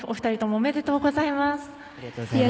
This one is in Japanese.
ありがとうございます。